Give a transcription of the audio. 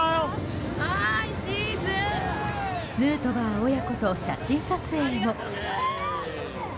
ヌートバー親子と写真撮影も。